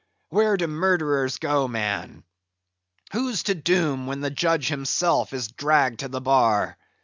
Where do murderers go, man! Who's to doom, when the judge himself is dragged to the bar?